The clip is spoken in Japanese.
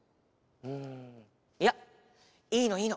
んいやいいのいいの。